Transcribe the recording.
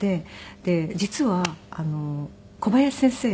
で実は小林先生。